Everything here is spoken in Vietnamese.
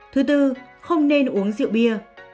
thứ tư không nên uống rượu bia